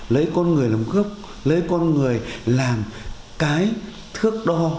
lấy con người làm khớp lấy con người làm cái thước đo